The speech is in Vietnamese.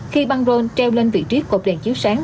khi băng rôn treo lên vị trí cột đèn chiếu sáng